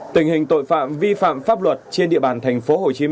tình hình tội phạm vi phạm pháp luật trên địa bàn tp hcm